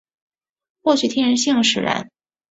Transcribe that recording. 或许天性使然